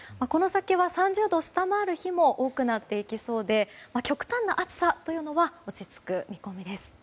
３０度を下回る日も多くなっていきそうで極端な暑さは落ち着く見込みです。